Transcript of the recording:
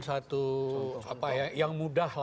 satu apa ya yang mudah lah